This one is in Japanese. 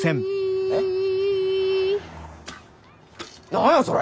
何やそれ！